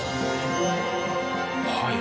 はい。